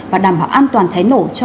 và đảm bảo an toàn cháy nổ